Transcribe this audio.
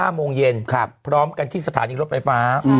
โมงเย็นพร้อมกันที่สถานีรถไฟฟ้า